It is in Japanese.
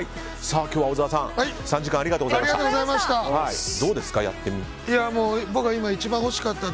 今日は小沢さん３時間ありがとうございました。